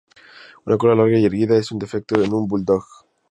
Una cola larga y erguida es un defecto en un bulldog.